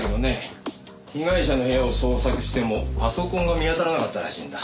被害者の部屋を捜索してもパソコンが見当たらなかったらしいんだ。